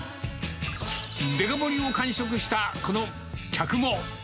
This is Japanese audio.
デカ盛りを完食したこの客も。